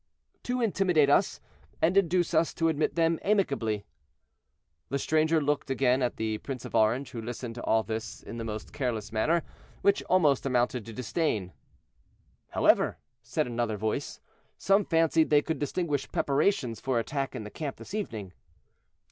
"To intimidate us, and induce us to admit them amicably." The stranger looked again at the Prince of Orange, who listened to all this in the most careless manner, which almost amounted to disdain. "However," said another voice, "some fancied they could distinguish preparations for attack in the camp this evening."